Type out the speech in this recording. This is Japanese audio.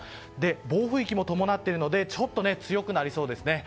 暴風域も伴っているのでちょっと強くなりそうですね。